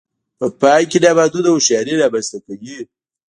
په پایله کې نامحدوده هوښیاري رامنځته کوي